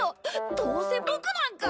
どうせボクなんか！